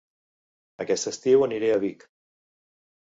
Aquest estiu aniré a Vic